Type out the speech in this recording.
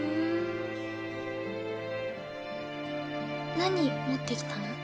何持ってきたの？